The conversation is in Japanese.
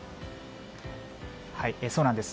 そうなんです。